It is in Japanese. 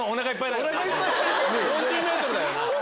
４０ｍだよな。